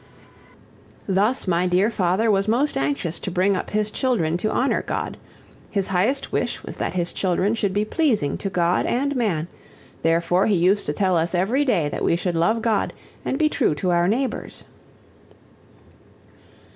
Thus my dear father was most anxious to bring up his children to honor God. His highest wish was that his children should be pleasing to God and man; therefore he used to tell us every day that we should love God and be true to our neighbors."